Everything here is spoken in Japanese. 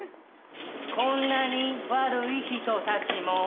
こんなに悪い人たちも